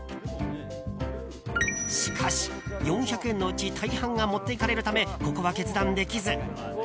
しかし、４００円のうち大半が持っていかれるためここは決断できず。